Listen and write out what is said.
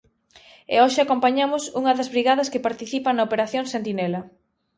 E hoxe acompañamos unha das brigadas que participan na operación sentinela.